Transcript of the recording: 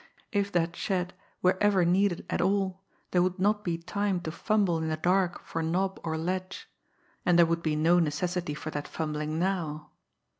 If that shed were ever needed at all, there would not be time to fumble in the dark for knob or latch and there would be no necessity for that fumbling now!